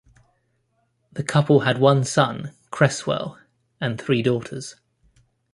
The couple had one son, Cresswell, and three daughters.